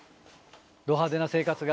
ド派手な生活が。